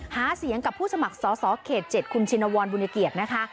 หาเสียงกับผู้สมัครสอสอเขต๗คุณชินวรบุญเกียรตินะคะ